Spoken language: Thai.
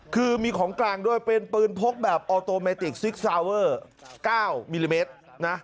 คือมีของกลางด้วยเป็นปืนพกแบบออโตเมติกซิกซาเวอร์๙มิลลิเมตรนะ